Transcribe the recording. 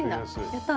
やった。